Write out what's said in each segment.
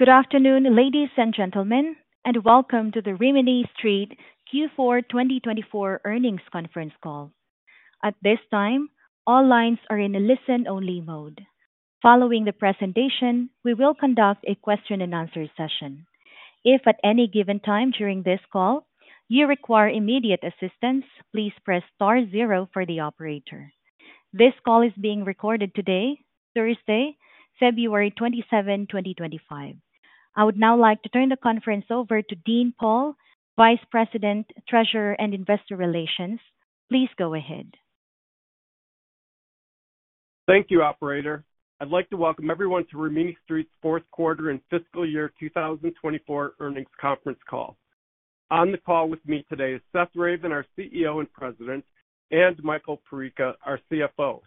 Good afternoon, ladies and gentlemen, and welcome to the Rimini Street Q4 2024 Earnings Conference Call. At this time, all lines are in listen-only mode. Following the presentation, we will conduct a Q&A session. If at any given time during this call you require immediate assistance, please press Star zero for the operator. This call is being recorded today, Thursday, February 27, 2025. I would now like to turn the conference over to Dean Pohl, Vice President, Treasurer and Investor Relations. Please go ahead. Thank you, Operator. I'd like to welcome everyone to Rimini Street's Fourth Quarter and Fiscal Year 2024 Earnings Conference Call. On the call with me today is Seth Ravin, our CEO and President, and Michael Perica, our CFO.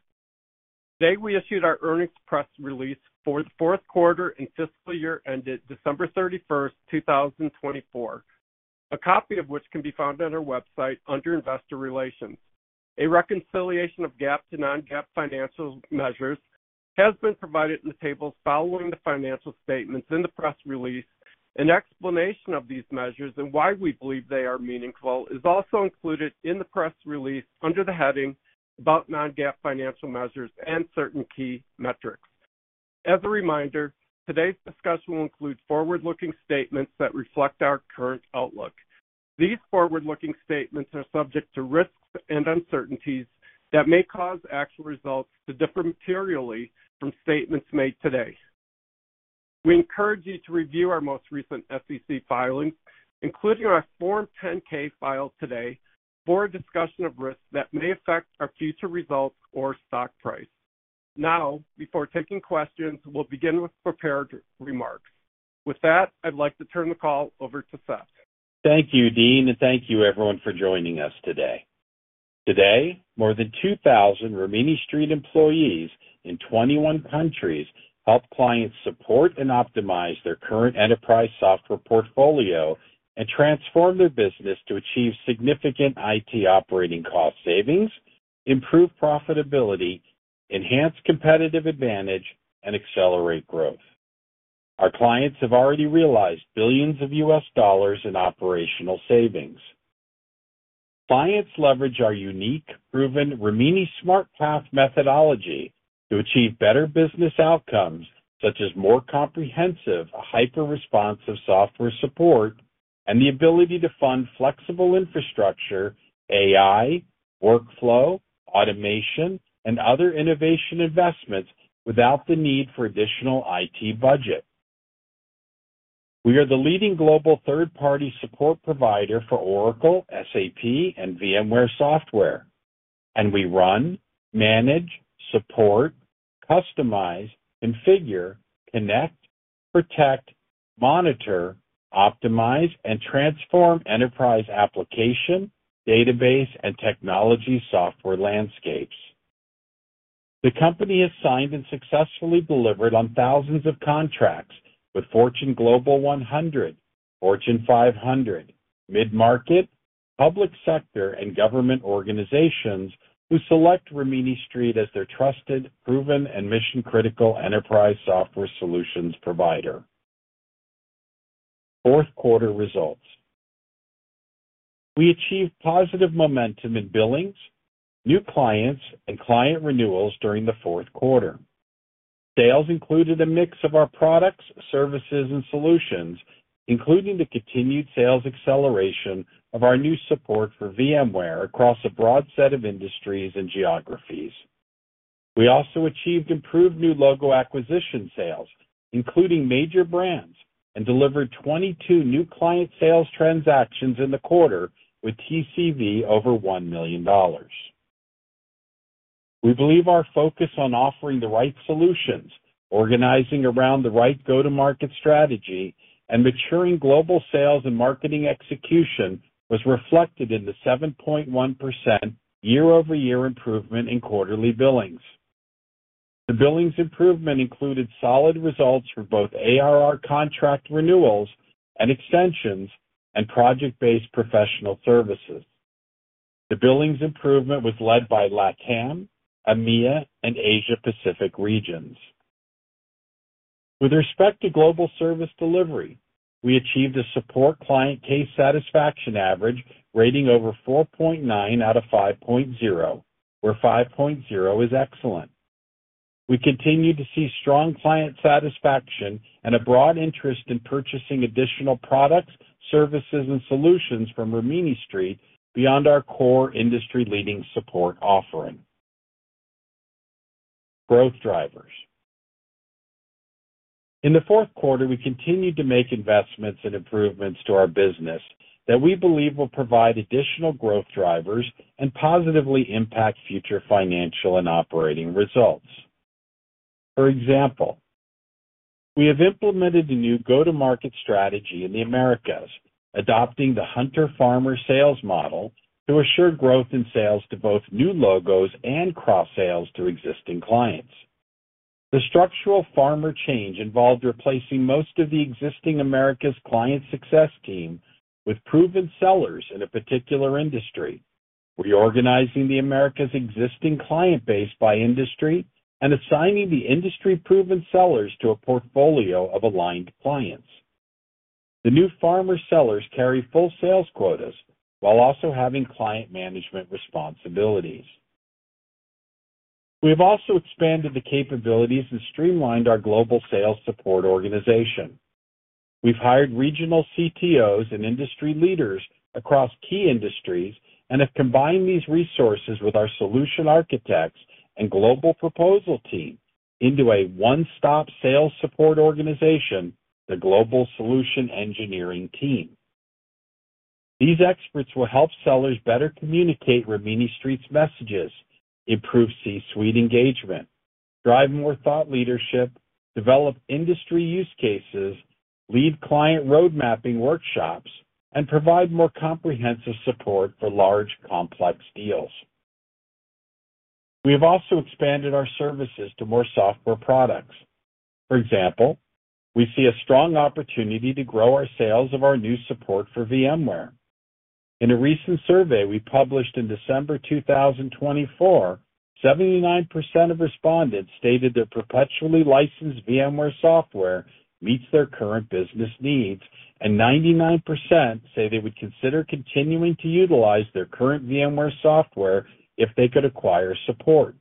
Today we issued our earnings press release for the fourth quarter and fiscal year ended December 31, 2024, a copy of which can be found on our website under Investor Relations. A reconciliation of GAAP to non-GAAP financial measures has been provided in the tables following the financial statements in the press release. An explanation of these measures and why we believe they are meaningful is also included in the press release under the heading "About Non-GAAP Financial Measures and Certain Key Metrics." As a reminder, today's discussion will include forward-looking statements that reflect our current outlook. These forward-looking statements are subject to risks and uncertainties that may cause actual results to differ materially from statements made today. We encourage you to review our most recent SEC filings, including our Form 10-K filed today, for a discussion of risks that may affect our future results or stock price. Now, before taking questions, we'll begin with prepared remarks. With that, I'd like to turn the call over to Seth. Thank you, Dean, and thank you, everyone, for joining us today. Today, more than 2,000 Rimini Street employees in 21 countries help clients support and optimize their current enterprise software portfolio and transform their business to achieve significant IT operating cost savings, improve profitability, enhance competitive advantage, and accelerate growth. Our clients have already realized billions of U.S. dollars in operational savings. Clients leverage our unique, proven Rimini SmartPath methodology to achieve better business outcomes, such as more comprehensive, hyper-responsive software support and the ability to fund flexible infrastructure, AI, workflow, automation, and other innovation investments without the need for additional IT budget. We are the leading global third-party support provider for Oracle, SAP, and VMware software, and we run, manage, support, customize, configure, connect, protect, monitor, optimize, and transform enterprise application, database, and technology software landscapes. The company has signed and successfully delivered on thousands of contracts with Fortune Global 100, Fortune 500, mid-market, public sector, and government organizations who select Rimini Street as their trusted, proven, and mission-critical enterprise software solutions provider. Fourth quarter results: We achieved positive momentum in billings, new clients, and client renewals during the fourth quarter. Sales included a mix of our products, services, and solutions, including the continued sales acceleration of our new support for VMware across a broad set of industries and geographies. We also achieved improved new logo acquisition sales, including major brands, and delivered 22 new client sales transactions in the quarter with TCV over $1 million. We believe our focus on offering the right solutions, organizing around the right go-to-market strategy, and maturing global sales and marketing execution was reflected in the 7.1% year-over-year improvement in quarterly billings. The billings improvement included solid results for both ARR contract renewals and extensions and project-based professional services. The billings improvement was led by LatAm, EMEA, and Asia-Pacific regions. With respect to global service delivery, we achieved a support client case satisfaction average rating over 4.9 out of 5.0, where 5.0 is excellent. We continue to see strong client satisfaction and a broad interest in purchasing additional products, services, and solutions from Rimini Street beyond our core industry-leading support offering. Growth drivers: In the fourth quarter, we continued to make investments and improvements to our business that we believe will provide additional growth drivers and positively impact future financial and operating results. For example, we have implemented a new go-to-market strategy in the Americas, adopting the Hunter-Farmer sales model to assure growth in sales to both new logos and cross-sales to existing clients. The structural farmer change involved replacing most of the existing Americas client success team with proven sellers in a particular industry, reorganizing the Americas existing client base by industry, and assigning the industry-proven sellers to a portfolio of aligned clients. The new farmer sellers carry full sales quotas while also having client management responsibilities. We have also expanded the capabilities and streamlined our global sales support organization. We've hired regional CTOs and industry leaders across key industries and have combined these resources with our solution architects and global proposal team into a one-stop sales support organization, the Global Solution Engineering Team. These experts will help sellers better communicate Rimini Street's messages, improve C-suite engagement, drive more thought leadership, develop industry use cases, lead client roadmapping workshops, and provide more comprehensive support for large, complex deals. We have also expanded our services to more software products. For example, we see a strong opportunity to grow our sales of our new support for VMware. In a recent survey we published in December 2024, 79% of respondents stated their perpetually licensed VMware software meets their current business needs, and 99% say they would consider continuing to utilize their current VMware software if they could acquire support.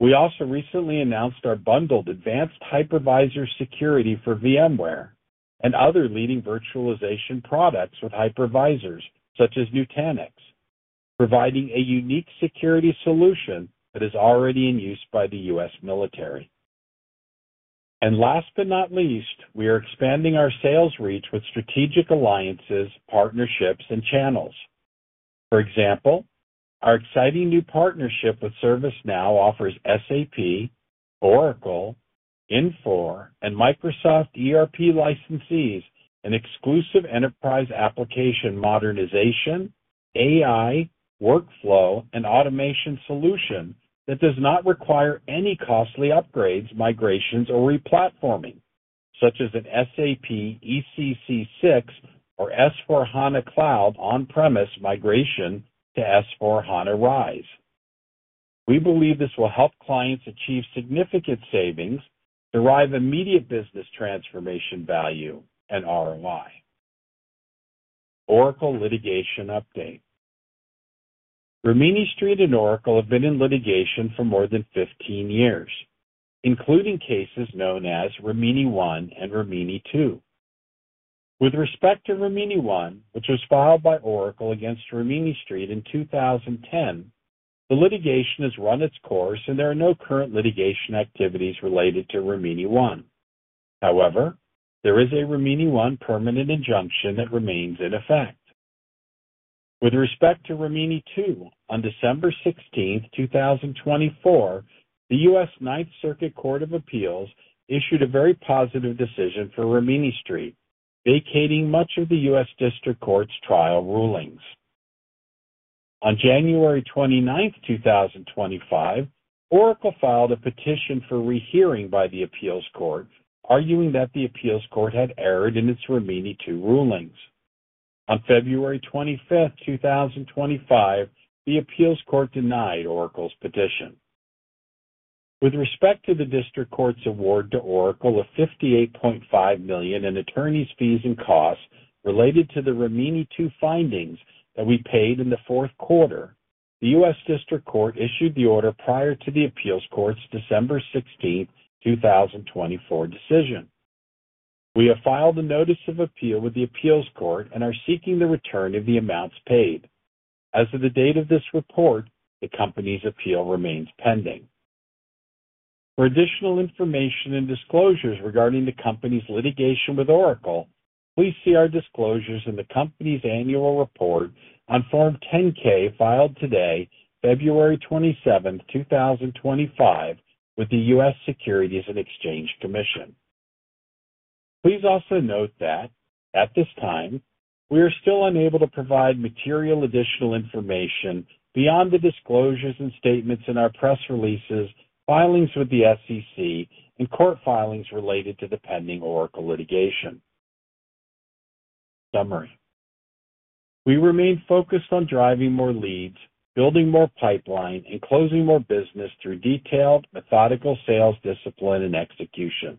We also recently announced our bundled advanced hypervisor security for VMware and other leading virtualization products with hypervisors, such as Nutanix, providing a unique security solution that is already in use by the U.S. military. And last but not least, we are expanding our sales reach with strategic alliances, partnerships, and channels. For example, our exciting new partnership with ServiceNow offers SAP, Oracle, Infor, and Microsoft ERP licensees an exclusive enterprise application modernization, AI, workflow, and automation solution that does not require any costly upgrades, migrations, or replatforming, such as an SAP ECC6 or S/4HANA Cloud On-Premise migration to S/4HANA RISE. We believe this will help clients achieve significant savings, derive immediate business transformation value, and ROI. Oracle litigation update: Rimini Street and Oracle have been in litigation for more than 15 years, including cases known as Rimini One and Rimini Two. With respect to Rimini One, which was filed by Oracle against Rimini Street in 2010, the litigation has run its course, and there are no current litigation activities related to Rimini One. However, there is a Rimini One permanent injunction that remains in effect. With respect to Rimini Two, on December 16, 2024, the U.S. Ninth Circuit Court of Appeals issued a very positive decision for Rimini Street, vacating much of the U.S. District Court's trial rulings. On January 29, 2025, Oracle filed a petition for rehearing by the appeals court, arguing that the appeals court had erred in its Rimini Two rulings. On February 25, 2025, the appeals court denied Oracle's petition. With respect to the district court's award to Oracle of $58.5 million in attorney's fees and costs related to the Rimini Two findings that we paid in the fourth quarter, the U.S. District Court issued the order prior to the appeals court's December 16, 2024, decision. We have filed a notice of appeal with the appeals court and are seeking the return of the amounts paid. As of the date of this report, the company's appeal remains pending. For additional information and disclosures regarding the company's litigation with Oracle, please see our disclosures in the company's annual report on Form 10-K filed today, February 27, 2025, with the U.S. Securities and Exchange Commission. Please also note that, at this time, we are still unable to provide material additional information beyond the disclosures and statements in our press releases, filings with the SEC, and court filings related to the pending Oracle litigation. Summary: We remain focused on driving more leads, building more pipeline, and closing more business through detailed, methodical sales discipline and execution.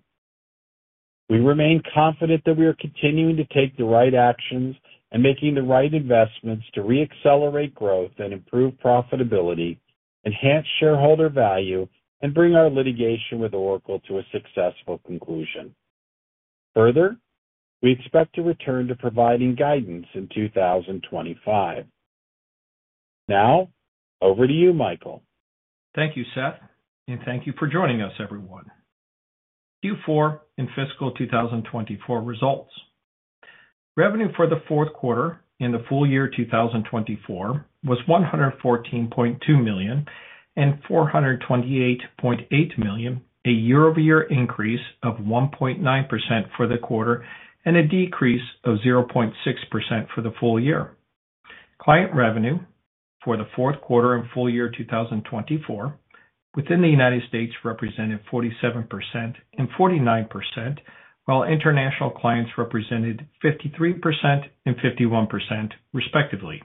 We remain confident that we are continuing to take the right actions and making the right investments to re-accelerate growth and improve profitability, enhance shareholder value, and bring our litigation with Oracle to a successful conclusion. Further, we expect to return to providing guidance in 2025. Now, over to you, Michael. Thank you, Seth, and thank you for joining us, everyone. Q4 and fiscal 2024 results: Revenue for the fourth quarter and the full year 2024 was $114.2 million and $428.8 million, a year-over-year increase of 1.9% for the quarter and a decrease of 0.6% for the full year. Client revenue for the fourth quarter and full year 2024 within the U.S. represented 47% and 49%, while international clients represented 53% and 51%, respectively.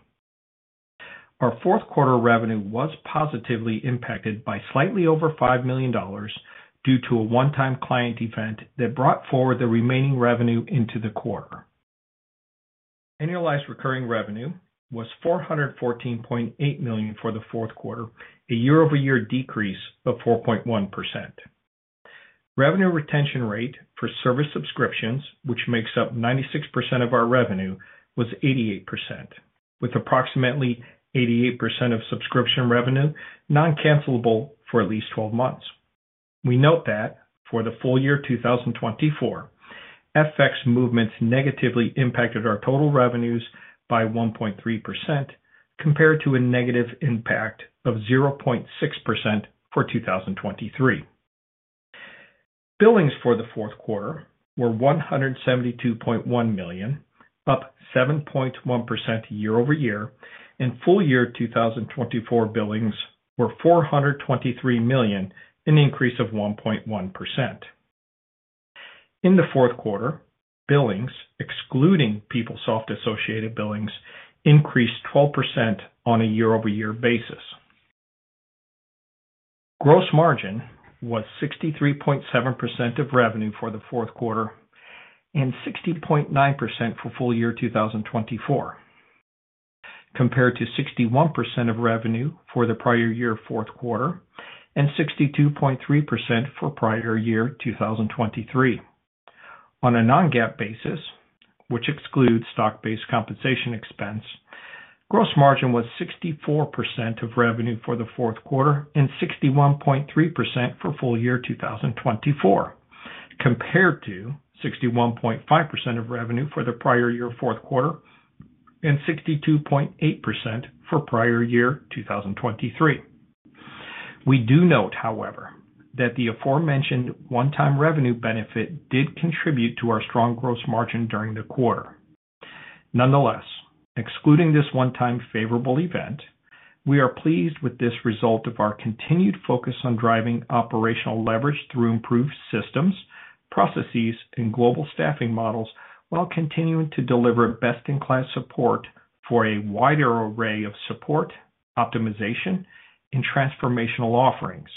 Our fourth quarter revenue was positively impacted by slightly over $5 million due to a one-time client event that brought forward the remaining revenue into the quarter. Annualized recurring revenue was $414.8 million for the fourth quarter, a year-over-year decrease of 4.1%. Revenue retention rate for service subscriptions, which makes up 96% of our revenue, was 88%, with approximately 88% of subscription revenue non-cancelable for at least 12 months. We note that for the full year 2024, FX movements negatively impacted our total revenues by 1.3% compared to a negative impact of 0.6% for 2023. Billings for the fourth quarter were $172.1 million, up 7.1% year-over-year, and full year 2024 billings were $423 million, an increase of 1.1%. In the fourth quarter, billings, excluding PeopleSoft-associated billings, increased 12% on a year-over-year basis. Gross margin was 63.7% of revenue for the fourth quarter and 60.9% for full year 2024, compared to 61% of revenue for the prior year fourth quarter and 62.3% for prior year 2023. On a non-GAAP basis, which excludes stock-based compensation expense, gross margin was 64% of revenue for the fourth quarter and 61.3% for full year 2024, compared to 61.5% of revenue for the prior year fourth quarter and 62.8% for prior year 2023. We do note, however, that the aforementioned one-time revenue benefit did contribute to our strong gross margin during the quarter. Nonetheless, excluding this one-time favorable event, we are pleased with this result of our continued focus on driving operational leverage through improved systems, processes, and global staffing models while continuing to deliver best-in-class support for a wider array of support, optimization, and transformational offerings.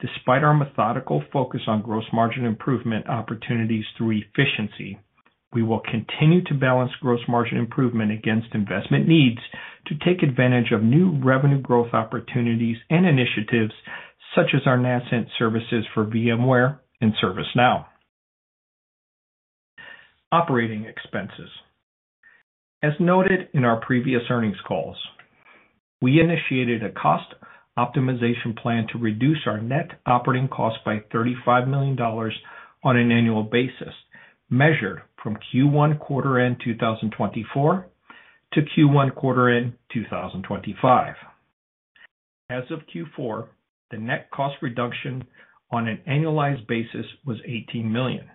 Despite our methodical focus on gross margin improvement opportunities through efficiency, we will continue to balance gross margin improvement against investment needs to take advantage of new revenue growth opportunities and initiatives such as our nascent services for VMware and ServiceNow. Operating expenses: As noted in our previous earnings calls, we initiated a cost optimization plan to reduce our net operating cost by $35 million on an annual basis, measured from Q1 quarter-end 2024 to Q1 quarter-end 2025. As of Q4, the net cost reduction on an annualized basis was $18 million.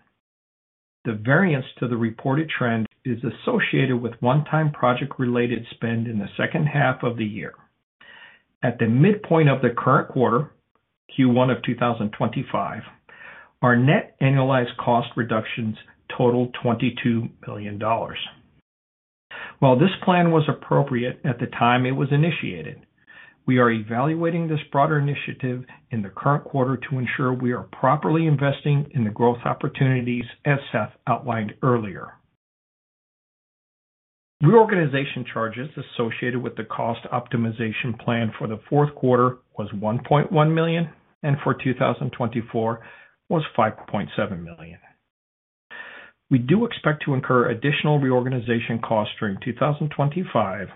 The variance to the reported trend is associated with one-time project-related spend in the second half of the year. At the midpoint of the current quarter, Q1 of 2025, our net annualized cost reductions totaled $22 million. While this plan was appropriate at the time it was initiated, we are evaluating this broader initiative in the current quarter to ensure we are properly investing in the growth opportunities, as Seth outlined earlier. Reorganization charges associated with the cost optimization plan for the fourth quarter was $1.1 million, and for 2024 was $5.7 million. We do expect to incur additional reorganization costs during 2025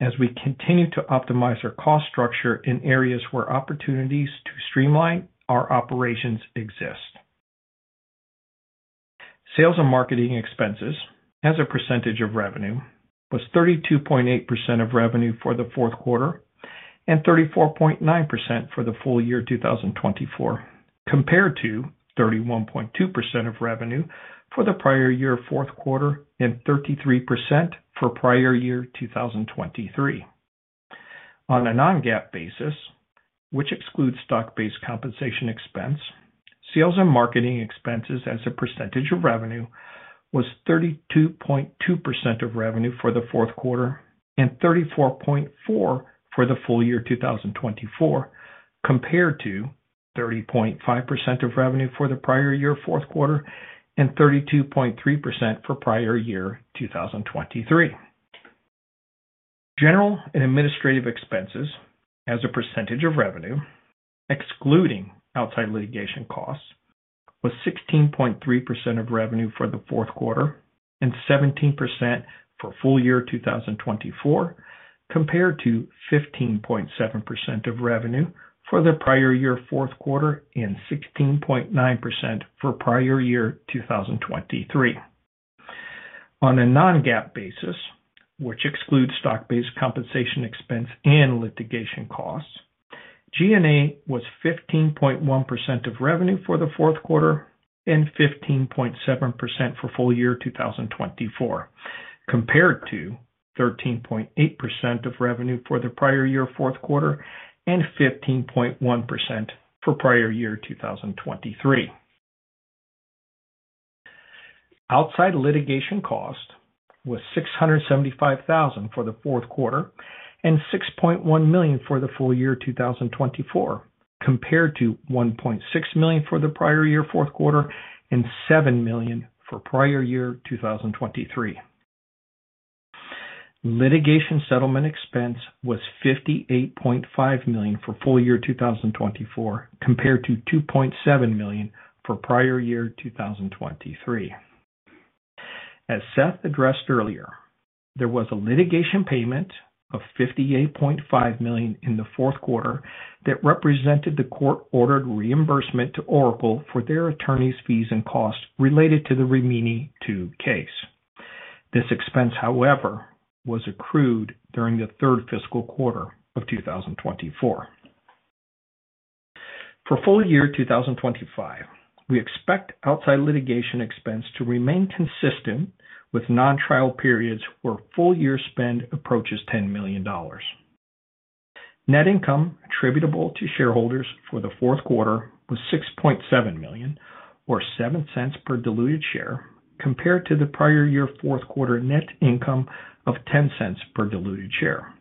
as we continue to optimize our cost structure in areas where opportunities to streamline our operations exist. Sales and marketing expenses, as a percentage of revenue, was 32.8% of revenue for the fourth quarter and 34.9% for the full year 2024, compared to 31.2% of revenue for the prior year fourth quarter and 33% for prior year 2023. On a non-GAAP basis, which excludes stock-based compensation expense, sales and marketing expenses, as a percentage of revenue, was 32.2% of revenue for the fourth quarter and 34.4% for the full year 2024, compared to 30.5% of revenue for the prior year fourth quarter and 32.3% for prior year 2023. General and administrative expenses, as a percentage of revenue, excluding outside litigation costs, was 16.3% of revenue for the fourth quarter and 17% for full year 2024, compared to 15.7% of revenue for the prior year fourth quarter and 16.9% for prior year 2023. On a non-GAAP basis, which excludes stock-based compensation expense and litigation costs, G&A was 15.1% of revenue for the fourth quarter and 15.7% for full year 2024, compared to 13.8% of revenue for the prior year fourth quarter and 15.1% for prior year 2023. Outside litigation cost was $675,000 for the fourth quarter and $6.1 million for the full year 2024, compared to $1.6 million for the prior year fourth quarter and $7 million for prior year 2023. Litigation settlement expense was $58.5 million for full year 2024, compared to $2.7 million for prior year 2023. As Seth addressed earlier, there was a litigation payment of $58.5 million in the fourth quarter that represented the court-ordered reimbursement to Oracle for their attorney's fees and costs related to the Rimini Two case. This expense, however, was accrued during the third fiscal quarter of 2024. For full year 2025, we expect outside litigation expense to remain consistent with non-trial periods where full year spend approaches $10 million. Net income attributable to shareholders for the fourth quarter was $6.7 million, or $0.07 per diluted share, compared to the prior year fourth quarter net income of $0.10 per diluted share.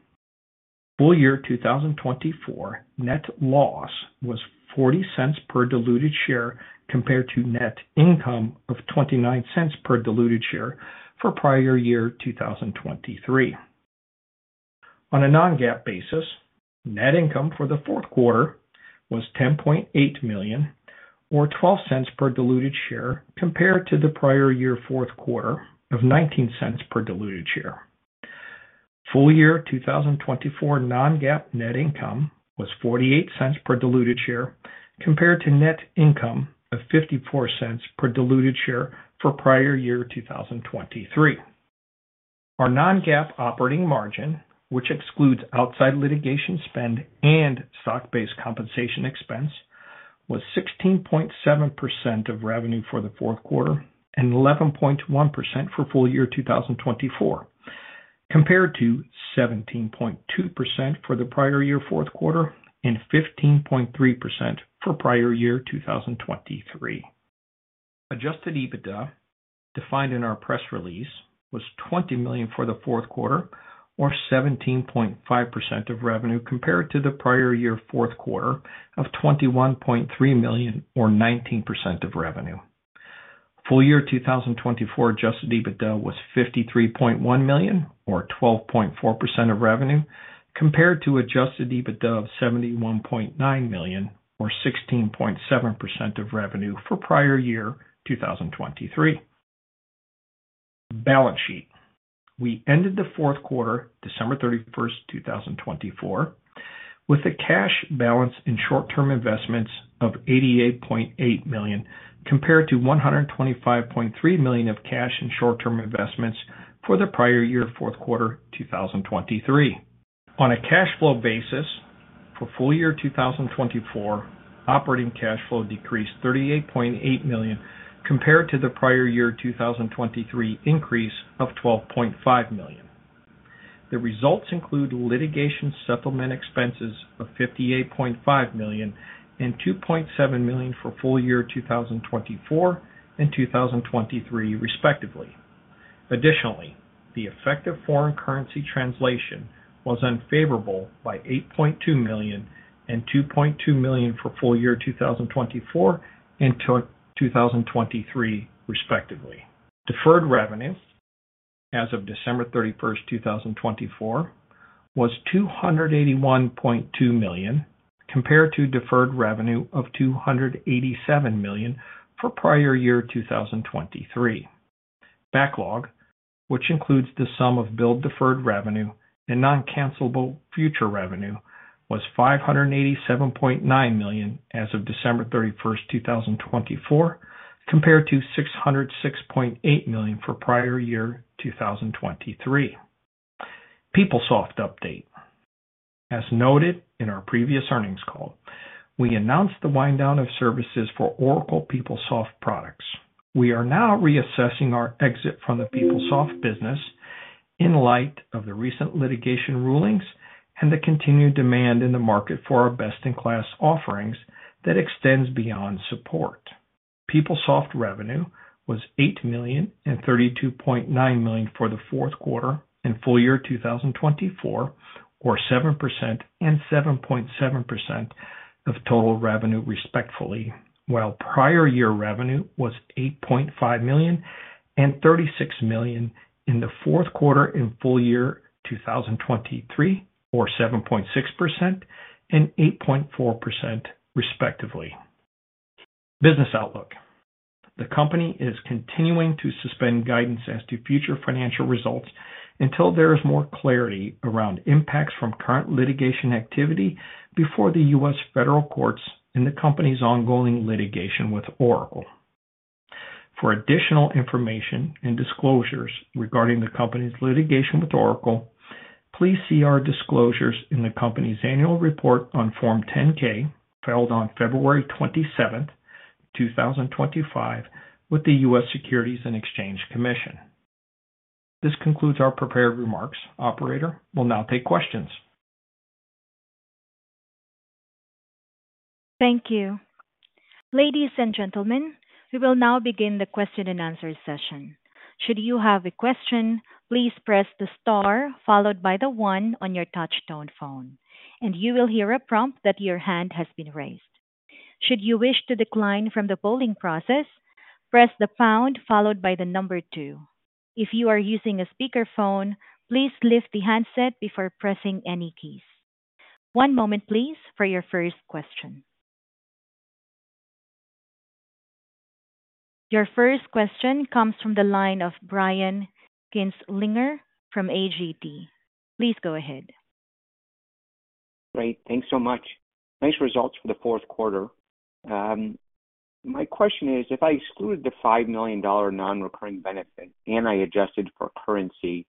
Full year 2024 net loss was $0.40 per diluted share, compared to net income of $0.29 per diluted share for prior year 2023. On a non-GAAP basis, net income for the fourth quarter was $10.8 million, or $0.12 per diluted share, compared to the prior year fourth quarter of $0.19 per diluted share. Full year 2024 non-GAAP net income was $0.48 per diluted share, compared to net income of $0.54 per diluted share for prior year 2023. Our non-GAAP operating margin, which excludes outside litigation spend and stock-based compensation expense, was 16.7% of revenue for the fourth quarter and 11.1% for full year 2024, compared to 17.2% for the prior year fourth quarter and 15.3% for prior year 2023. Adjusted EBITDA, defined in our press release, was $20 million for the fourth quarter, or 17.5% of revenue, compared to the prior year fourth quarter of $21.3 million, or 19% of revenue. Full year 2024 adjusted EBITDA was $53.1 million, or 12.4% of revenue, compared to adjusted EBITDA of $71.9 million, or 16.7% of revenue for prior year 2023. Balance sheet: We ended the fourth quarter, December 31, 2024, with a cash balance in short-term investments of $88.8 million, compared to $125.3 million of cash in short-term investments for the prior year fourth quarter 2023. On a cash flow basis, for full year 2024, operating cash flow decreased $38.8 million, compared to the prior year 2023 increase of $12.5 million. The results include litigation settlement expenses of $58.5 million and $2.7 million for full year 2024 and 2023, respectively. Additionally, the effective foreign currency translation was unfavorable by $8.2 million and $2.2 million for full year 2024 and 2023, respectively. Deferred revenue, as of December 31, 2024, was $281.2 million, compared to deferred revenue of $287 million for prior year 2023. Backlog, which includes the sum of billed deferred revenue and non-cancelable future revenue, was $587.9 million as of December 31, 2024, compared to $606.8 million for prior year 2023. PeopleSoft update: As noted in our previous earnings call, we announced the wind-down of services for Oracle PeopleSoft products. We are now reassessing our exit from the PeopleSoft business in light of the recent litigation rulings and the continued demand in the market for our best-in-class offerings that extends beyond support. PeopleSoft revenue was $8 million and $32.9 million for the fourth quarter and full year 2024, or 7% and 7.7% of total revenue, respectively, while prior year revenue was $8.5 million and $36 million in the fourth quarter and full year 2023, or 7.6% and 8.4%, respectively. Business outlook: The company is continuing to suspend guidance as to future financial results until there is more clarity around impacts from current litigation activity before the U.S. federal courts and the company's ongoing litigation with Oracle. For additional information and disclosures regarding the company's litigation with Oracle, please see our disclosures in the company's annual report on Form 10-K, filed on February 27, 2025, with the U.S. Securities and Exchange Commission. This concludes our prepared remarks. Operator will now take questions. Thank you. Ladies and gentlemen, we will now begin the Q&A session. Should you have a question, please press the Star followed by the one on your touch-tone phone, and you will hear a prompt that your hand has been raised. Should you wish to decline from the polling process, press the Pound followed by the number two. If you are using a speakerphone, please lift the handset before pressing any keys. One moment, please, for your first question. Your first question comes from the line of Brian Kinstlinger from AGP. Please go ahead. Great. Thanks so much. Nice results for the fourth quarter. My question is, if I excluded the $5 million non-recurring benefit and I adjusted for currency,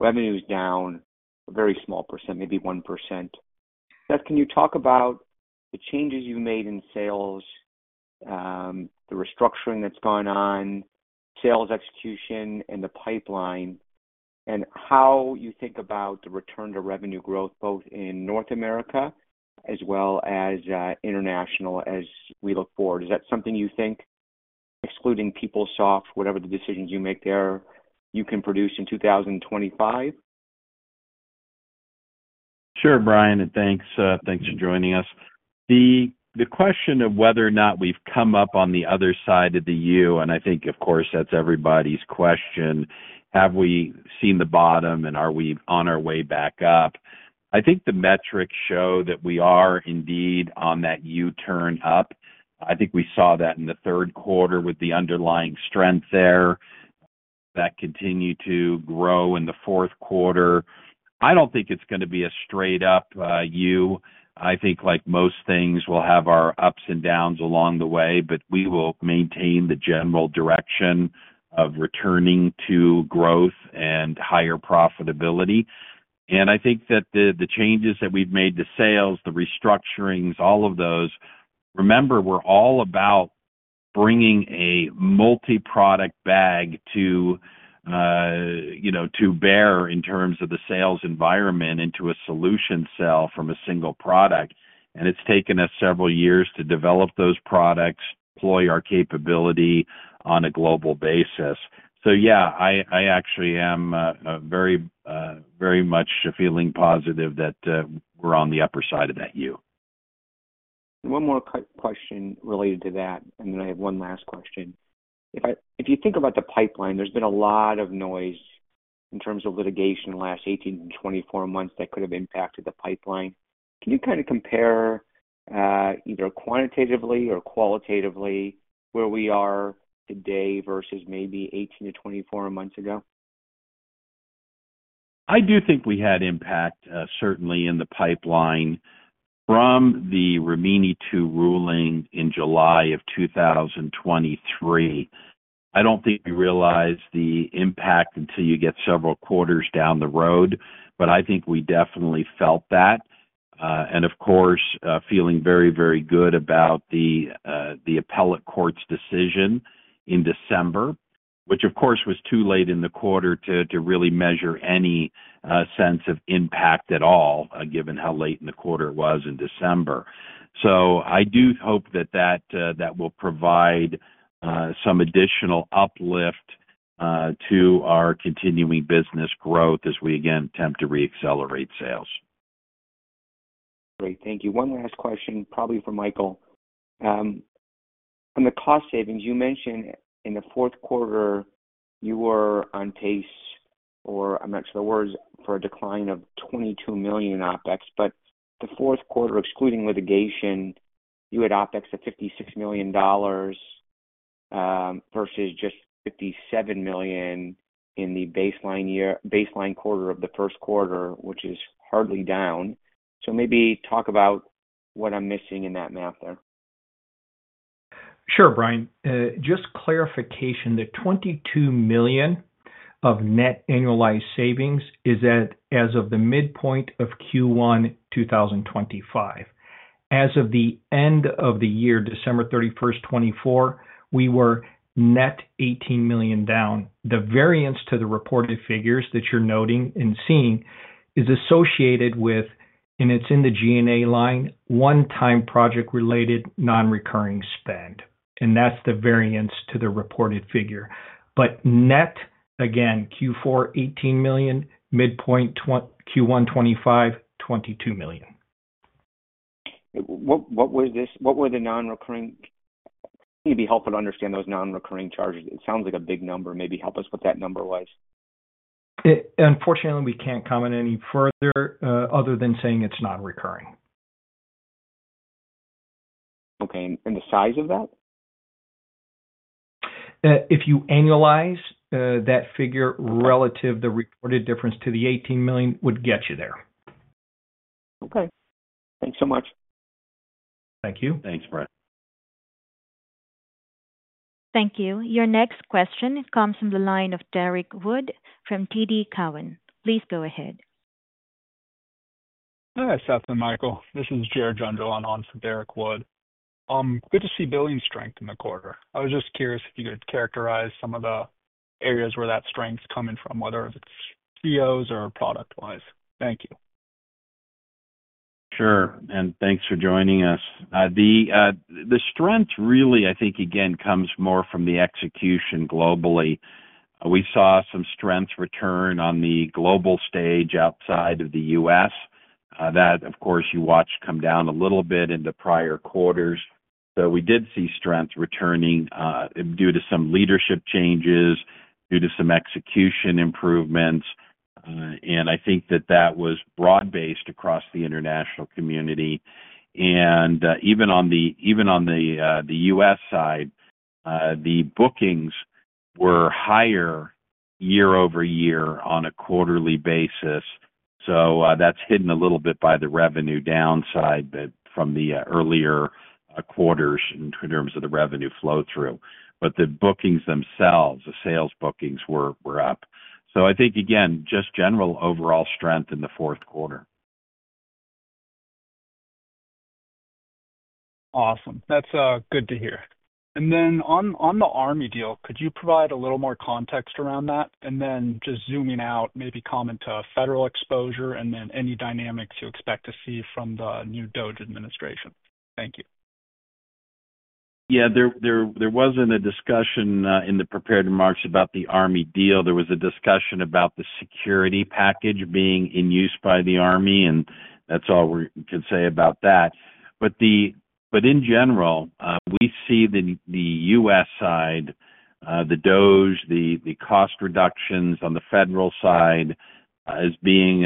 revenue is down a very small percent, maybe 1%. Seth, can you talk about the changes you made in sales, the restructuring that's gone on, sales execution, and the pipeline, and how you think about the return to revenue growth both in North America as well as international as we look forward? Is that something you think, excluding PeopleSoft, whatever the decisions you make there, you can produce in 2025? Sure, Brian, and thanks for joining us. The question of whether or not we've come up on the other side of the U, and I think, of course, that's everybody's question, have we seen the bottom and are we on our way back up? I think the metrics show that we are indeed on that U-turn up. I think we saw that in the third quarter with the underlying strength there. That continued to grow in the fourth quarter. I don't think it's going to be a straight-up U. I think, like most things, we'll have our ups and downs along the way, but we will maintain the general direction of returning to growth and higher profitability. And I think that the changes that we've made, the sales, the restructurings, all of those, remember, we're all about bringing a multi-product bag to you know to bear in terms of the sales environment into a solution cell from a single product. And it's taken us several years to develop those products, deploy our capability on a global basis. So yeah, I I actually am very much very much feeling positive that we're on the upper side of that U. One more question related to that, and then I have one last question. If you think about the pipeline, there's been a lot of noise in terms of litigation in the last 18 to 24 months that could have impacted the pipeline. Can you kind of compare either quantitatively or qualitatively where we are today versus maybe 18 to 24 months ago? I do think we had impact, certainly, in the pipeline from the Rimini Two ruling in July of 2023. I do not think we realized the impact until you get several quarters down the road, but I think we definitely felt that. And of course, feeling very, very good about the the appellate court's decision in December, which, of course, was too late in the quarter to really measure any sense of impact at all, given how late in the quarter it was in December. So I do hope that that will provide some additional uplift to our continuing business growth as we, again, attempt to re-accelerate sales. Great. Thank you. One last question, probably for Michael. On the cost savings, you mentioned in the fourth quarter you were on pace, or I'm not sure the words, for a decline of $22 million in OpEx, but the fourth quarter, excluding litigation, you had OpEx of $56 million versus just $57 million in the baseline quarter of the first quarter, which is hardly down. Maybe talk about what I'm missing in that math there. Sure, Brian. Just clarification, the $22 million of net annualized savings is at as of the midpoint of Q1 2025. As of the end of the year, December 31, 2024, we were net $18 million down. The variance to the reported figures that you're noting and seeing is associated with, and it's in the G&A line, one-time project-related non-recurring spend. And that's the variance to the reported figure. But net, again, Q4, $18 million, midpoint Q1 25, $22 million. What were the non-recurring? It'd be helpful to understand those non-recurring charges. It sounds like a big number. Maybe help us what that number was. Unfortunately, we can't comment any further other than saying it's non-recurring. Okay. And the size of that? If you annualize that figure relative to the reported difference to the $18 million, would get you there. Okay. Thanks so much. Thank you. Thanks, Brian. Thank you. Your next question comes from the line of Derek Wood from TD Cowen. Please go ahead. Hi, Seth and Michael. This is Jared Jungjohann on the line from Derek Wood. Good to see billing strength in the quarter. I was just curious if you could characterize some of the areas where that strength's coming from, whether it's CTOs or product-wise. Thank you. Sure. And thanks for joining us. The the strength really, I think, again, comes more from the execution globally. We saw some strength return on the global stage outside of the U.S. And that, of course, you watched come down a little bit in the prior quarters. We did see strength returning due to some leadership changes, due to some execution improvements. And I think that that was broad-based across the international community. And even on the even on the U.S. side, the bookings were higher year-over-year on a quarterly basis. So that is hidden a little bit by the revenue downside from the earlier quarters in terms of the revenue flow-through. But the bookings themselves, the sales bookings, were were up. So I think, again, just general overall strength in the fourth quarter. Awesome. That's good to hear. And then on on the Army deal, could you provide a little more context around that? And then just zooming out, maybe comment to federal exposure and then any dynamics you expect to see from the new DoD administration. Thank you. Yeah. There there was not a discussion in the prepared remarks about the Army deal. There was a discussion about the security package being in use by the Army, and that's all we can say about that. But the but in general, we see the the U.S. side, the DoD, the cost reductions on the federal side as being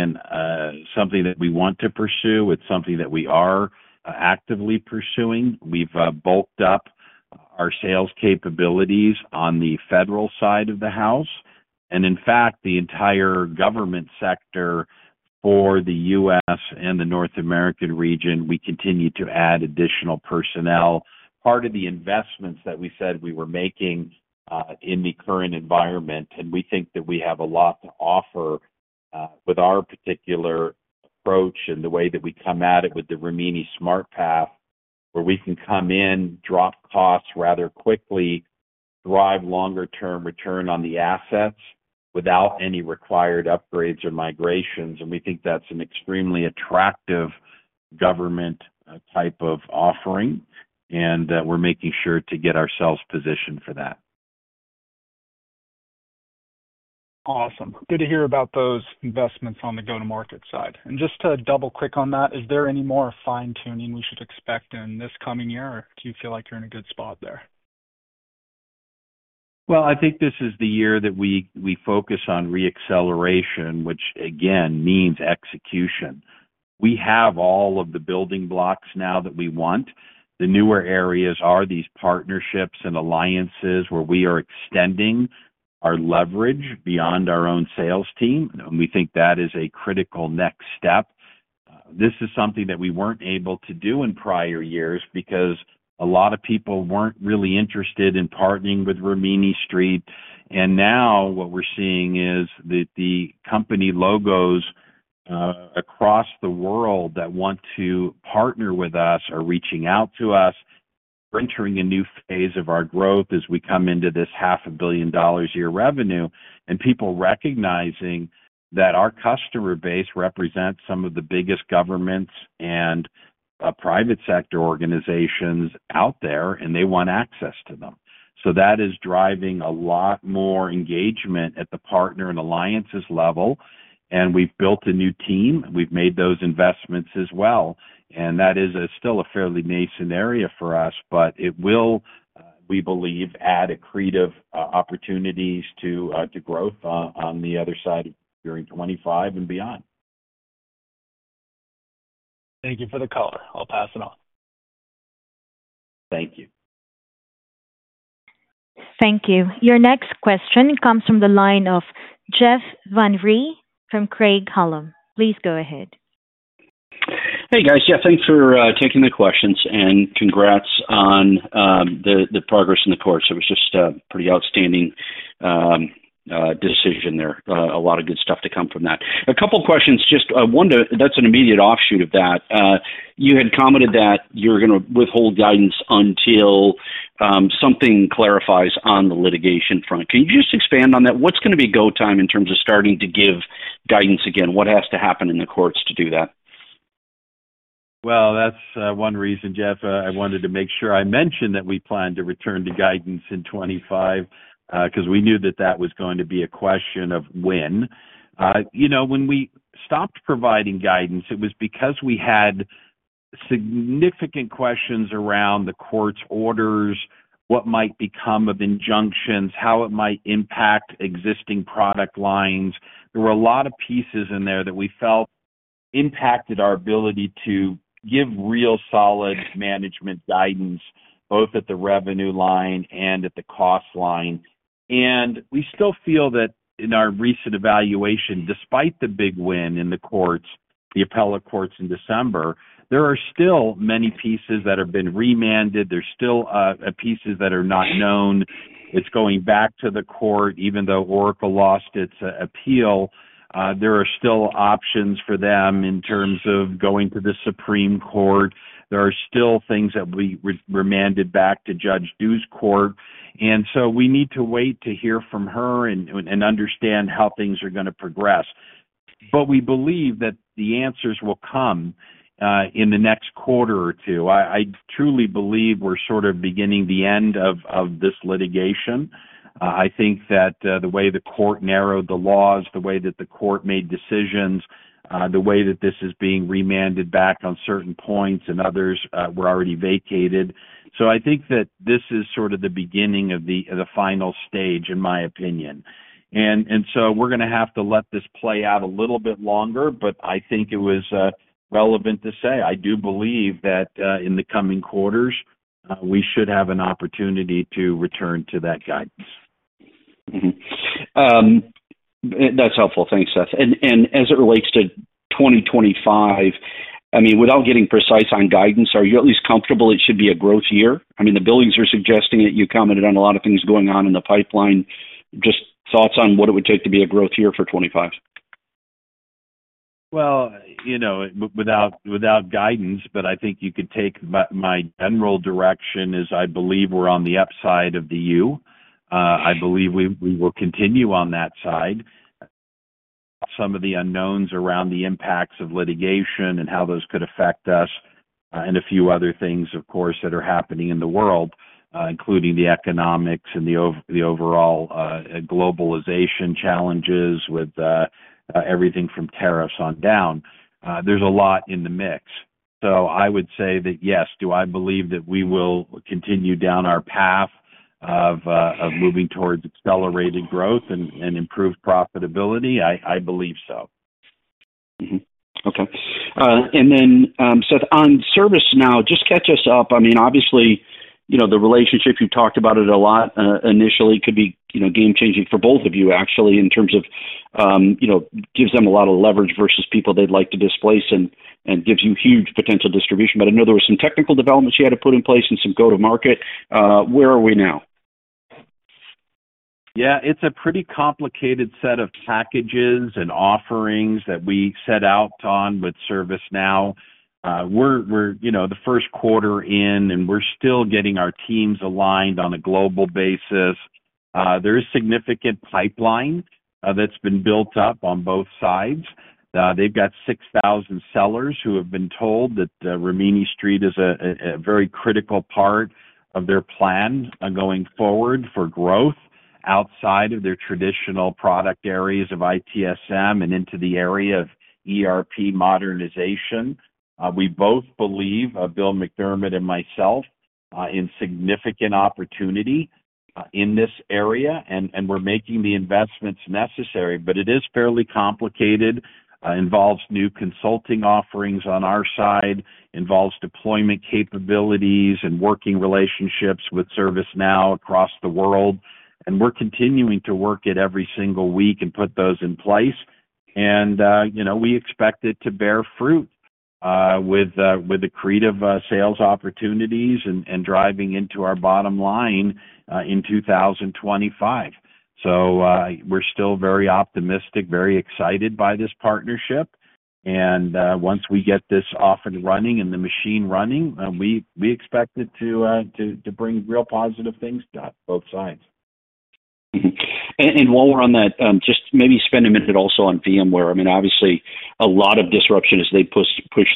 something that we want to pursue. It's something that we are actively pursuing. We've bulked up our sales capabilities on the federal side of the house. And in fact, the entire government sector for the U.S. and the North American region, we continue to add additional personnel. Part of the investments that we said we were making in the current environment, and we think that we have a lot to offer with our particular approach and the way that we come at it with the Rimini SmartPath, where we can come in, drop costs rather quickly, drive longer-term return on the assets without any required upgrades or migrations. We think that's an extremely attractive government type of offering, and we're making sure to get ourselves positioned for that. Awesome. Good to hear about those investments on the go-to-market side. Just to double-click on that, is there any more fine-tuning we should expect in this coming year, or do you feel like you're in a good spot there? Well I think this is the year that we we focus on re-acceleration, which, again, means execution. We have all of the building blocks now that we want. The newer areas are these partnerships and alliances where we are extending our leverage beyond our own sales team. We think that is a critical next step. This is something that we were not able to do in prior years because a lot of people were not really interested in partnering with Rimini Street. And now what we are seeing is that the company logos across the world that want to partner with us are reaching out to us, entering a new phase of our growth as we come into this $500,000,000-a-year revenue, and people recognizing that our customer base represents some of the biggest governments and private sector organizations out there, and they want access to them. So that is driving a lot more engagement at the partner and alliances level. And we have built a new team, and we have made those investments as well. And that is still a fairly nascent area for us, but it will, we believe, add accretive opportunities to growth on on the other side of year 2025 and beyond. Thank you for the call. I'll pass it off. Thank you. Thank you. Your next question comes from the line of Jeff Van Rhee from Craig-Hallum. Please go ahead. Hey, guys. Yeah, thanks for taking the questions and congrats on the progress in the courts. It was just a pretty outstanding decision there. A lot of good stuff to come from that. A couple of questions. Just one that's an immediate offshoot of that. You had commented that you're going to withhold guidance until something clarifies on the litigation front. Can you just expand on that? What's going to be go time in terms of starting to give guidance again? What has to happen in the courts to do that? Well that is one reason, Jeff. I wanted to make sure I mentioned that we plan to return to guidance in 2025 because we knew that was going to be a question of when. You know when we stopped providing guidance, it was because we had significant questions around the court's orders, what might become of injunctions, how it might impact existing product lines. There were a lot of pieces in there that we felt impacted our ability to give real solid management guidance, both at the revenue line and at the cost line. And we still feel that in our recent evaluation, despite the big win in the courts, the appellate courts in December, there are still many pieces that have been remanded. There are still pieces that are not known. It is going back to the court. Even though Oracle lost its appeal, there are still options for them in terms of going to the Supreme Court. There are still things that were remanded back to Judge Du's court. And so we need to wait to hear from her and understand how things are going to progress. But we believe that the answers will come in the next quarter or two. I truly believe we're sort of beginning the end of of this litigation. I think that the way the court narrowed the laws, the way that the court made decisions, the way that this is being remanded back on certain points and others were already vacated. So I think that this is sort of the beginning of the final stage, in my opinion. And and so we're going to have to let this play out a little bit longer, but I think it was relevant to say. I do believe that in the coming quarters, we should have an opportunity to return to that guidance. That's helpful. Thanks, Seth. And as it relates to 2025, I mean, without getting precise on guidance, are you at least comfortable it should be a growth year? I mean, the billings are suggesting it. You commented on a lot of things going on in the pipeline. Just thoughts on what it would take to be a growth year for 2025? Well you know without without guidance, but I think you could take my general direction is I believe we're on the upside of the U. I believe we will continue on that side. Some of the unknowns around the impacts of litigation and how those could affect us and a few other things, of course, that are happening in the world, including the economics and the overall globalization challenges with everything from tariffs on down. There's a lot in the mix. Though I would say that, yes, do I believe that we will continue down our path of of moving towards accelerated growth and improved profitability? I believe so. Okay. And then, Seth, on ServiceNow, just catch us up. I mean, obviously, the relationship, you've talked about it a lot initially. It could be game-changing for both of you, actually, in terms of gives them a lot of leverage versus people they'd like to displace and gives you huge potential distribution. I know there were some technical developments you had to put in place and some go-to-market. Where are we now? Yeah. It's a pretty complicated set of packages and offerings that we set out on with ServiceNow. We're we're you know the first quarter in, and we're still getting our teams aligned on a global basis. There is significant pipeline that's been built up on both sides. They've got 6,000 sellers who have been told that Rimini Street is a a very critical part of their plan going forward for growth outside of their traditional product areas of ITSM and into the area of ERP modernization. We both believe, Bill McDermott and myself, in significant opportunity in this area, and we're making the investments necessary. But it is fairly complicated, involves new consulting offerings on our side, involves deployment capabilities and working relationships with ServiceNow across the world. And we're continuing to work it every single week and put those in place. And we expect it to bear fruit with the the creative sales opportunities and driving into our bottom line in 2025. So we are still very optimistic, very excited by this partnership. And once we get this off and running and the machine running, we we expect it to to bring real positive things to both sides. While we are on that, just maybe spend a minute also on VMware. I mean, obviously, a lot of disruption as they push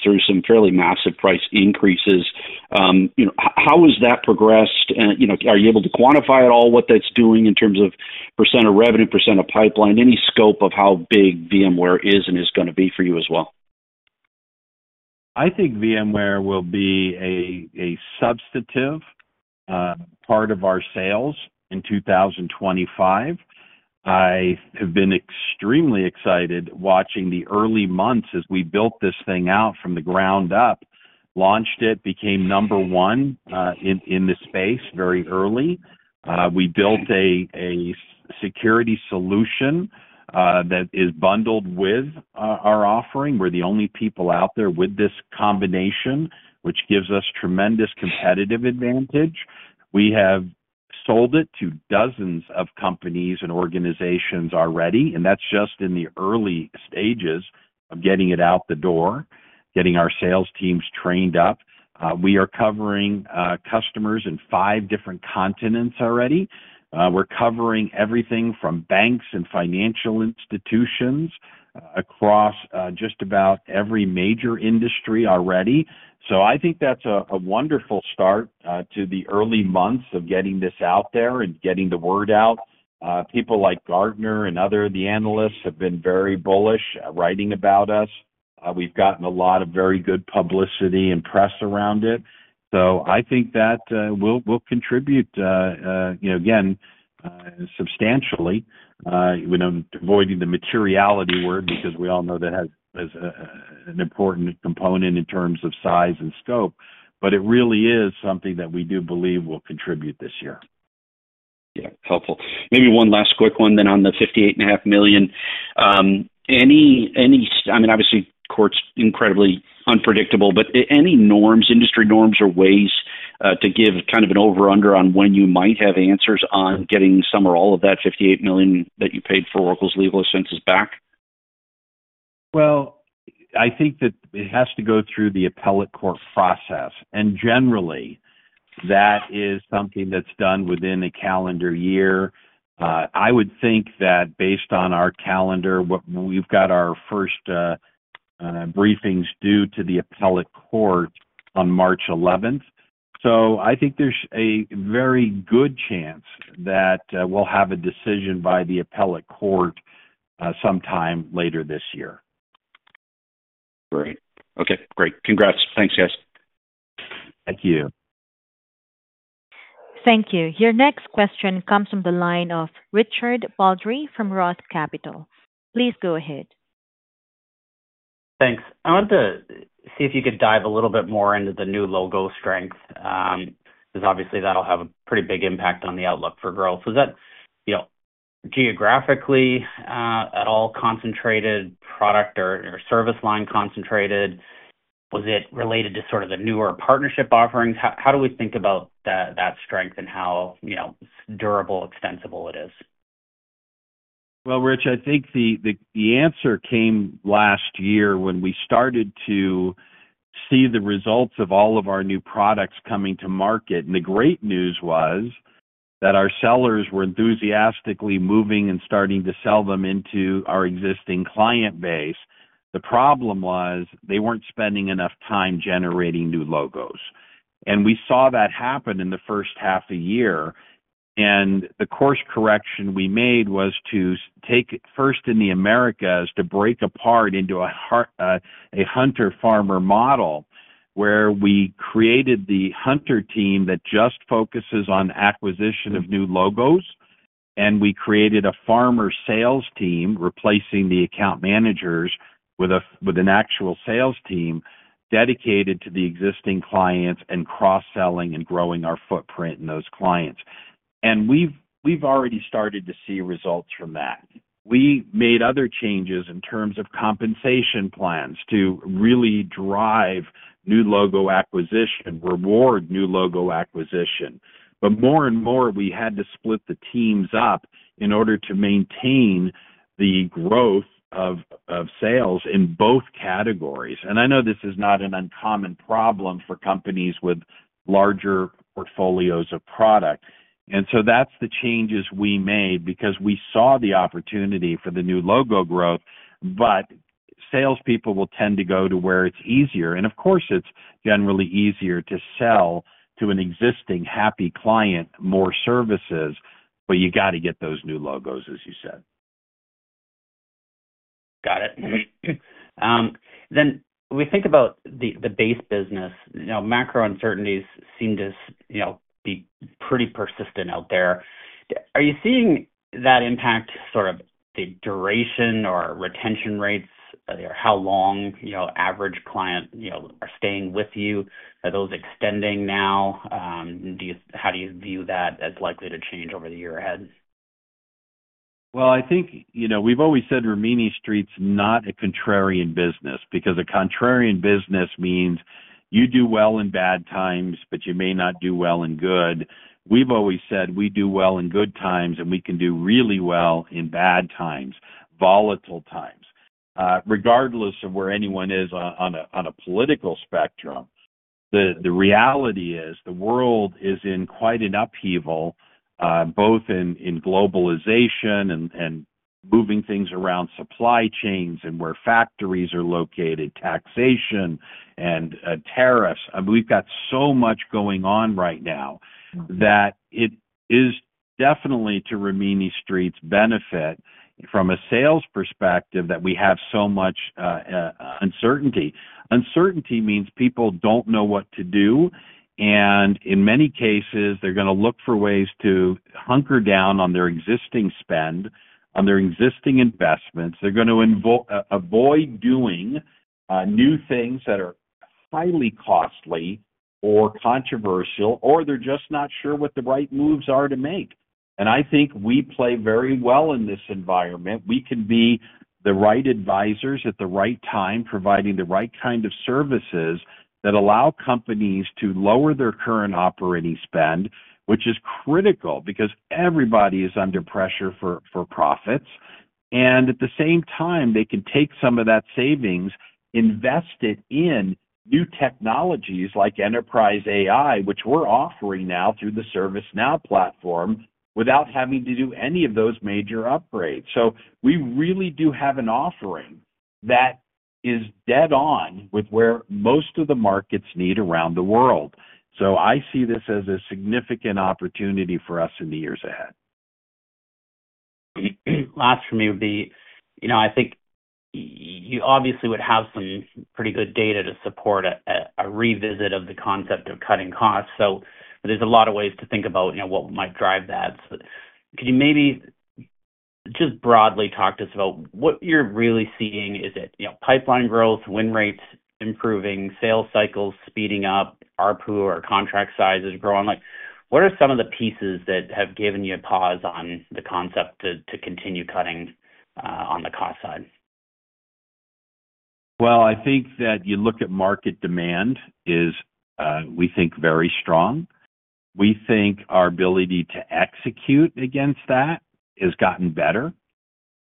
through some fairly massive price increases. How has that progressed? Are you able to quantify at all what that is doing in terms of % of revenue, % of pipeline, any scope of how big VMware is and is going to be for you as well? I think VMware will be a a substitutive part of our sales in 2025. I have been extremely excited watching the early months as we built this thing out from the ground up, launched it, became number one in in the space very early. We built a a security solution that is bundled with our offering. We're the only people out there with this combination, which gives us tremendous competitive advantage. We have sold it to dozens of companies and organizations already, and that's just in the early stages of getting it out the door, getting our sales teams trained up. We are covering customers in five different continents already. We're covering everything from banks and financial institutions across just about every major industry already. So I think that's a wonderful start to the early months of getting this out there and getting the word out. People like Gartner and other analysts have been very bullish writing about us. We've gotten a lot of very good publicity and press around it. So I think that will contribute, again, substantially. Avoiding the materiality word because we all know that has an important component in terms of size and scope, but it really is something that we do believe will contribute this year. Yeah. Helpful. Maybe one last quick one then on the $58.5 million. I mean, obviously, court's incredibly unpredictable, but any norms, industry norms, or ways to give kind of an over/under on when you might have answers on getting some or all of that $58 million that you paid for Oracle's legal expenses back? Well I think that it has to go through the appellate court process. And generally, that is something that's done within a calendar year. I would think that based on our calendar, we've got our first briefings due to the appellate court on March 11th. So I think there's a very good chance that we'll have a decision by the appellate court sometime later this year. Great. Okay. Great. Congrats. Thanks, guys. Thank you. Thank you. Your next question comes from the line of Richard Baldry from Roth Capital. Please go ahead. Thanks. I wanted to see if you could dive a little bit more into the new logo strength because obviously, that'll have a pretty big impact on the outlook for growth. Was that geographically at all concentrated, product or service line concentrated? Was it related to sort of the newer partnership offerings? How do we think about that strength and how durable, extensible it is? Well Rich, I think the answer came last year when we started to see the results of all of our new products coming to market. The great news was that our sellers were enthusiastically moving and starting to sell them into our existing client base. The problem was they weren't spending enough time generating new logos. And we saw that happen in the first half a year. And the course correction we made was to take first in the Americas to break apart into a Hunter-Farmer model where we created the Hunter team that just focuses on acquisition of new logos, and we created a Farmer sales team replacing the account managers with an actual sales team dedicated to the existing clients and cross-selling and growing our footprint in those clients. We've already started to see results from that. We made other changes in terms of compensation plans to really drive new logo acquisition, reward new logo acquisition. But more and more, we had to split the teams up in order to maintain the growth of of sales in both categories. And I know this is not an uncommon problem for companies with larger portfolios of product. And so that is the changes we made because we saw the opportunity for the new logo growth, but salespeople will tend to go to where it's easier. Of course, it's generally easier to sell to an existing happy client more services, but you got to get those new logos, as you said. Got it. Then when we think about the base business, macro uncertainties seem to be pretty persistent out there. Are you seeing that impact sort of the duration or retention rates? How long average clients you know are staying with you? Are those extending now? On how do you view that as likely to change over the year ahead? Well I think you know we've always said Rimini Street's not a contrarian business because a contrarian business means you do well in bad times, but you may not do well in good. We've always said we do well in good times, and we can do really well in bad times, volatile times. Regardless of where anyone is on a political spectrum, the reality is the world is in quite an upheaval, both in in globalization and and moving things around supply chains and where factories are located, taxation and tariffs. And we've got so much going on right now that it is definitely to Rimini Street's benefit from a sales perspective that we have so much uncertainty. Uncertainty means people don't know what to do. And in many cases, they're going to look for ways to hunker down on their existing spend, on their existing investments. They're going to avoid doing new things that are highly costly or controversial, or they're just not sure what the right moves are to make. And I think we play very well in this environment. We can be the right advisors at the right time, providing the right kind of services that allow companies to lower their current operating spend, which is critical because everybody is under pressure for for profits. And at the same time, they can take some of that savings, invest it in new technologies like Enterprise AI, which we're offering now through the ServiceNow platform without having to do any of those major upgrades. So we really do have an offering that is dead on with where most of the markets need around the world. So I see this as a significant opportunity for us in the years ahead. Last for me would be, I think you obviously would have some pretty good data to support a revisit of the concept of cutting costs. So there are a lot of ways to think about what might drive that. Could you maybe just broadly talk to us about what you're really seeing? Is it pipeline growth, win rates improving, sales cycles speeding up, RPU or contract sizes growing? What are some of the pieces that have given you a pause on the concept to continue cutting on the cost side? Well I think that you look at market demand is, we think, very strong. We think our ability to execute against that has gotten better.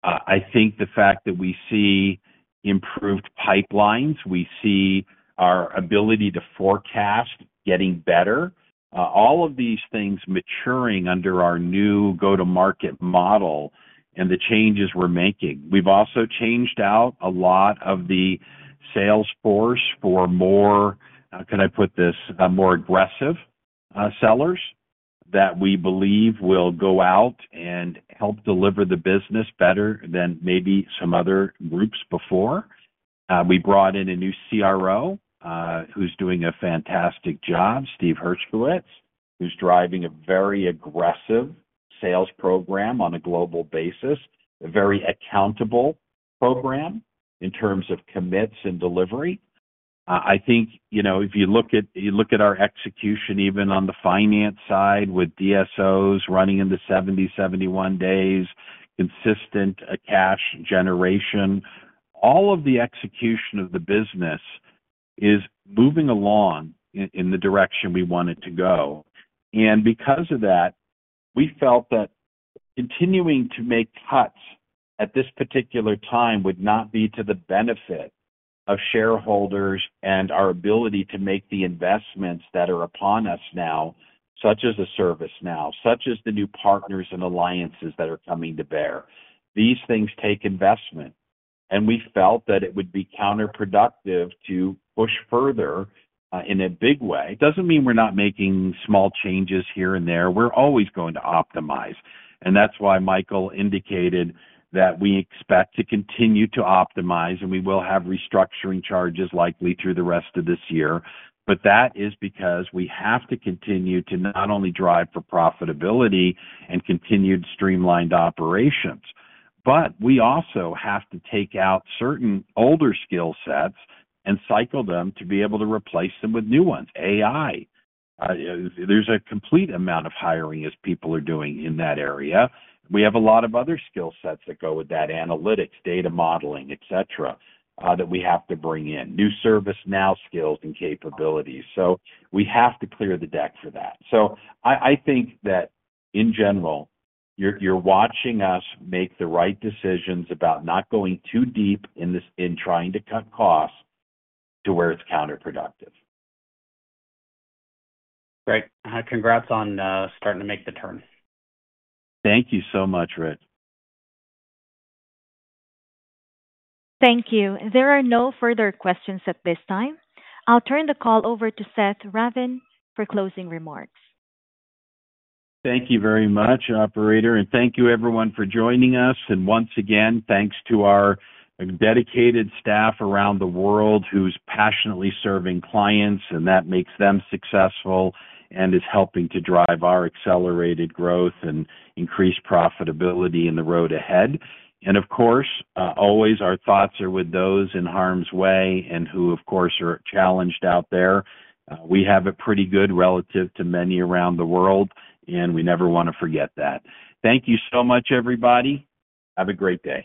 I think the fact that we see improved pipelines, we see our ability to forecast getting better, all of these things maturing under our new go-to-market model and the changes we're making. We've also changed out a lot of the sales force for more, how can I put this, more aggressive sellers that we believe will go out and help deliver the business better than maybe some other groups before. We brought in a new CRO who's doing a fantastic job, Steve Hershkowitz, who's driving a very aggressive sales program on a global basis, a very accountable program in terms of commits and delivery. I think you know if you look if you look at our execution, even on the finance side with DSOs running in the 70-71 days, consistent cash generation, all of the execution of the business is moving along in the direction we want it to go. And because of that, we felt that continuing to make cuts at this particular time would not be to the benefit of shareholders and our ability to make the investments that are upon us now, such as the ServiceNow, such as the new partners and alliances that are coming to bear. These things take investment, and we felt that it would be counterproductive to push further in a big way. It does not mean we are not making small changes here and there. We are always going to optimize. And that is why Michael indicated that we expect to continue to optimize, and we will have restructuring charges likely through the rest of this year. But that is because we have to continue to not only drive for profitability and continued streamlined operations, but we also have to take out certain older skill sets and cycle them to be able to replace them with new ones. AI. There is a complete amount of hiring as people are doing in that area. We have a lot of other skill sets that go with that: analytics, data modeling, etc., that we have to bring in, new ServiceNow skills and capabilities. So we have to clear the deck for that. I think that in general, you're watching us make the right decisions about not going too deep in trying to cut costs to where it's counterproductive. Great. Congrats on starting to make the turn. Thank you so much, Rich. Thank you. There are no further questions at this time. I'll turn the call over to Seth Ravin for closing remarks. Thank you very much, Operator. Thank you, everyone, for joining us. Once again, thanks to our dedicated staff around the world who's passionately serving clients, and that makes them successful and is helping to drive our accelerated growth and increased profitability in the road ahead. And of course, always our thoughts are with those in harm's way and who, of course, are challenged out there. We have it pretty good relative to many around the world, and we never want to forget that. Thank you so much, everybody. Have a great day.